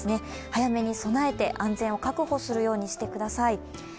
早めに備えて安全を確保するようにしてください。